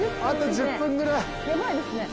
あと１０分くらい。